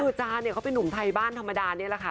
คือจาเนี่ยเขาเป็นนุ่มไทยบ้านธรรมดานี่แหละค่ะ